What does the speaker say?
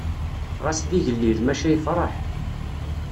Ɣas d igellil, maca yefṛeḥ.